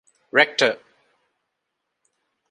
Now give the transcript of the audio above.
ރެކްޓަރ